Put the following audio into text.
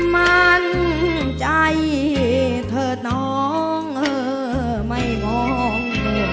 มั่นใจเธอน้องไม่มอง